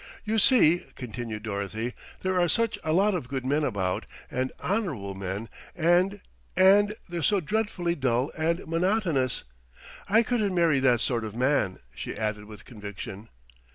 "You see," continued Dorothy, "there are such a lot of good men about, and honourable men, and and they're so dreadfully dull and monotonous. I couldn't marry that sort of man," she added with conviction.